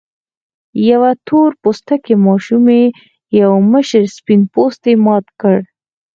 يوې تور پوستې ماشومې يو مشر سپين پوستي مات کړ.